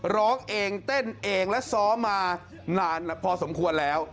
ร้องเองเต้นเองและซ้อมมานานพอสมควรแล้ว